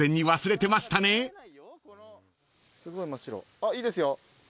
あっいいですよ。